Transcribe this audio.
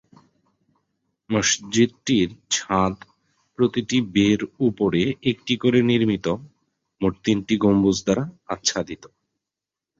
মসজিদটির ছাদ প্রতিটি ‘বে’-র উপরে একটি করে নির্মিত মোট তিনটি গম্বুজ দ্বারা আচ্ছাদিত।